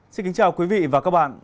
xin kính chào quý vị và các bạn